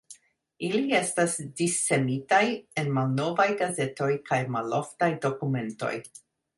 Ili estas dissemitaj en malnovaj gazetoj kaj maloftaj dokumentoj.